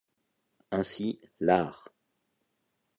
Ainsi, l'art.